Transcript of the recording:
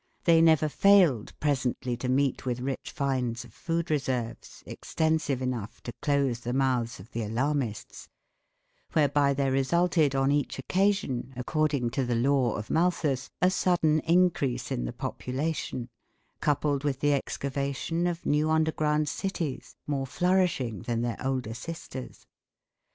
They never failed presently to meet with rich finds of food reserves, extensive enough to close the mouths of the alarmists, whereby there resulted on each occasion, according to the law of Malthus, a sudden increase in the population, coupled with the excavation of new underground cities, more flourishing than their older sisters.